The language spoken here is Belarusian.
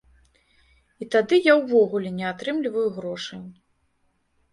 І тады я ўвогуле не атрымліваю грошаў.